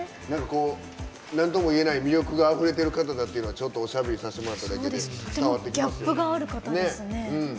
なんとも言えない魅力があふれてる方だっていうのはおしゃべりさせてもらっただけで伝わってきます。